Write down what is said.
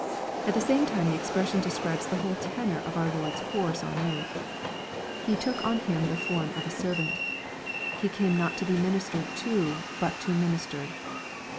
At the same time the expression describes tlie whole tenor of our Lord's course on earth. He took on Him the form of a servant." " He came not to be ministered to, but to min ister.